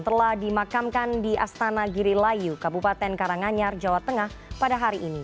telah dimakamkan di astana girilayu kabupaten karanganyar jawa tengah pada hari ini